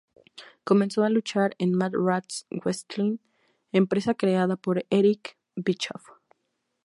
Comenzó a luchar en Mat Rats Wrestling, empresa creada por Eric Bischoff.